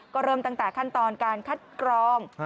ก็เริ่มตั้งแต่ขั้นตอนการคัดกรอง